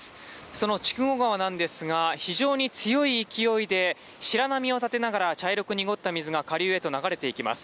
その筑後川なんですが、非常に強い勢いで、白波を立てながら茶色く濁った水が下流へと流れていきます。